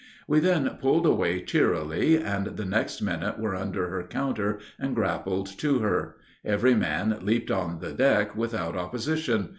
We then pulled away cheerily, and the next minute were under her counter, and grappled to her; every man leaped on the deck without opposition.